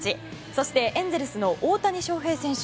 そしてエンゼルス大谷翔平選手